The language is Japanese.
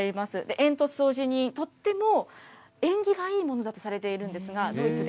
煙突掃除人、とっても縁起がいいものだとされているんですが、ドイツで。